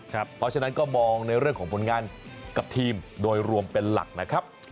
เพราะฉะนั้นก็มองในเรื่องของผลงานกับทีมโดยรวมเป็นหลักนะครับ